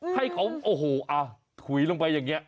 ให้เขาโอ้โหถุยลงไปอย่างนี้